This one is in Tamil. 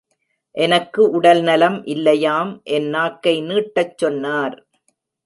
எனக்கு உடல்நலம் இல்லையாம் என் நாக்கை நீட்டச் சொன்னார்.